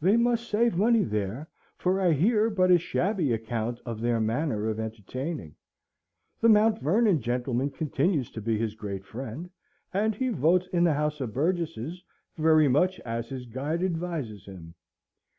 They must save money there, for I hear but a shabby account of their manner of entertaining. The Mount Vernon gentleman continues to be his great friend, and he votes in the House of Burgesses very much as his guide advises him.